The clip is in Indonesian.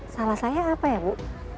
salah saya apa ya bu